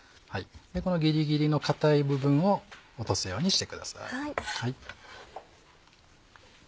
このギリギリの硬い部分を落とすようにしてください。